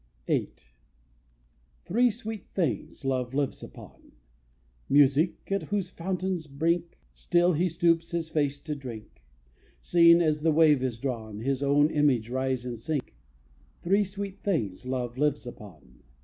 VIII. Three sweet things love lives upon: Music, at whose fountain's brink Still he stoops his face to drink; Seeing, as the wave is drawn, His own image rise and sink. Three sweet things love lives upon.